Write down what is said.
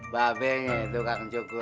babelnya itu kak ncukur